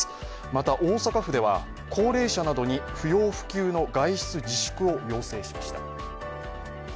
また大阪府では高齢者などに不要不急の外出自粛を要請しました。